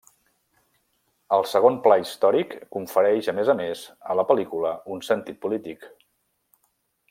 El segon pla històric confereix a més a més a la pel·lícula un sentit polític.